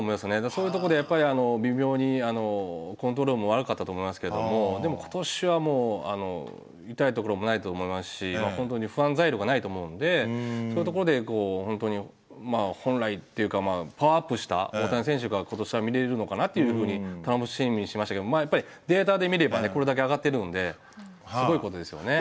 そういうとこでやっぱりあの微妙にコントロールも悪かったと思いますけどもでも今年はもう痛いところもないと思いますし本当に不安材料がないと思うんでそういうところでこう本当にまあ本来っていうかパワーアップした大谷選手が今年は見れるのかなっていうふうに楽しみにしてましたけどやっぱりデータで見ればこれだけ上がってるんですごいことですよね。